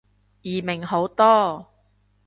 易明好多